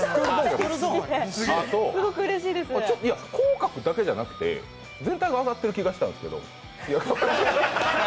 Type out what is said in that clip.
口角だけじゃなくて、全体が上がってる気がしたんですけど。